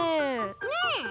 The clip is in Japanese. ねえ。